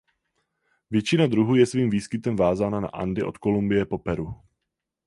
Většina druhů je svým výskytem vázána na Andy od Kolumbie po Peru.